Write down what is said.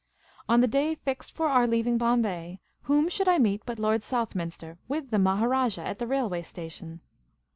On the day fixed for our leaving Bombay, whom should I meet but Lord Southminster — with the Maharajah — at the railway station